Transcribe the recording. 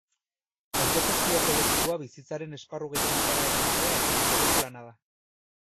Autogestio kolektiboa bizitzaren esparru gehienetara eramatea etenik gabeko lana da.